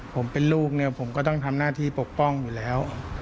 ผมเป็นลูกเนี่ยผมก็ต้องทำหน้าที่ปกป้องอยู่แล้ว